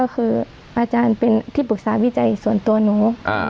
ก็คืออาจารย์เป็นที่ปรึกษาวิจัยส่วนตัวหนู